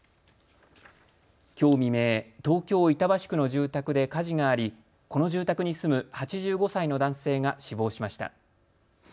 きょう未明、東京板橋区の住宅で火事があり、この住宅に住む８５歳の男性が死亡しました。